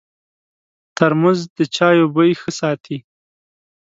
ترموز د چایو بوی ښه ساتي.